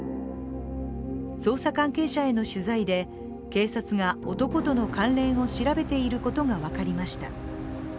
捜査関係者への取材で警察が男との関連を調べていることが分かりました。